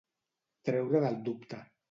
Treure del dubte.